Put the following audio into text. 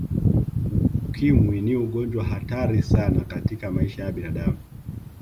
Ukimwi ni ugonjwa hatari sana katika maisha ya binadamu